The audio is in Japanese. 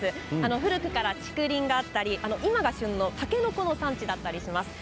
古くから竹林があったり今が旬の、たけのこの産地だったりします。